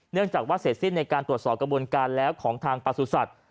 เนื่องจากว่าเสร็จสิ้นในการตรวจสอบกระบวนการแล้วของทางประสุทธิ์